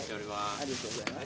ありがとうございます。